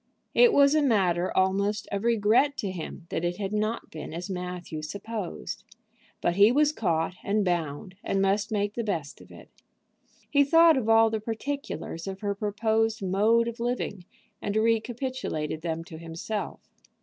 It was a matter almost of regret to him that it had not been as Matthew supposed. But he was caught and bound, and must make the best of it. He thought of all the particulars of her proposed mode of living, and recapitulated them to himself.